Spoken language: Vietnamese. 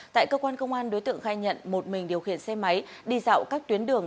tại cơ quan công an đối tượng khai nhận một mình điều khiển xe máy đi dạo các tuyến đường